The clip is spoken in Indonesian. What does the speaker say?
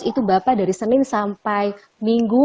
itu bapak dari senin sampai minggu